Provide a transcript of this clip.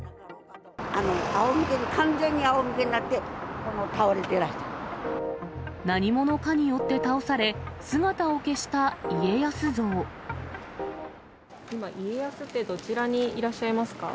あおむけに、完全にあおむけになって、何者かによって倒され、今、家康って、どちらにいらっしゃいますか？